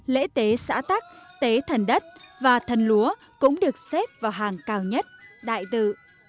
lễ tế xã tắc tế thần đất và thần lúa cũng được xếp vào hàng cao nhất đại tự